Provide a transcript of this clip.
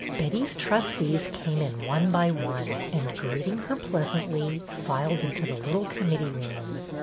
Betty's trustees came in one by one, and, greet ing her pleasantly, filed into the little committee room.